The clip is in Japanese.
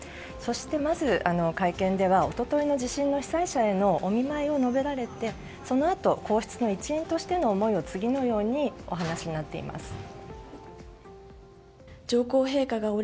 そしてまず会見では一昨日の地震の被災者へのお見舞いを述べられてそのあと皇室の一員としての思いを次のようにお話しになっています。